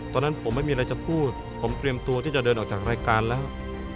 ตอนนั้นผมไม่มีอะไรจะพูดผมเตรียมตัวที่จะเดินออกจากรายการแล้ว